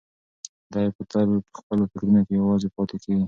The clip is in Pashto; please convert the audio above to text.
دی به تل په خپلو فکرونو کې یوازې پاتې کېږي.